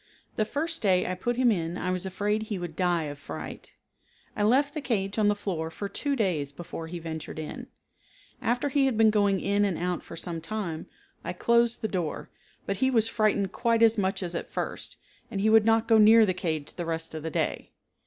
The first day I put him in I was afraid he would die of fright. I left the cage on the floor for two days before he ventured in. After he had been going in and out for some time, I closed the door, but he was frightened quite as much as at first, and he would not go near the cage the rest of the day.